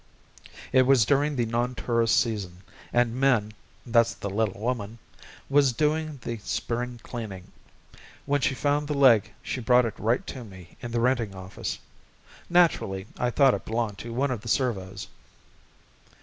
It was during the non tourist season and Min that's the little woman was doing the spring cleaning. When she found the leg she brought it right to me in the Renting Office. Naturally I thought it belonged to one of the servos.